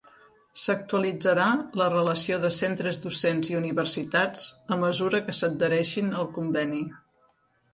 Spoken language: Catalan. S'actualitzarà la relació de centres docents i universitats a mesura que s'adhereixin al conveni.